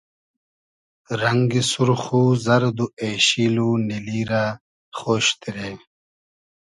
رئنگی سورخ و زئرد و اېشیل و نیلی رۂ خۉش دیرې